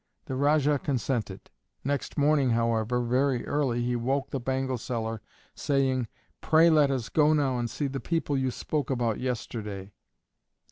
The Rajah consented. Next morning, however, very early, he woke the bangle seller, saying, "Pray let us go now and see the people you spoke about yesterday."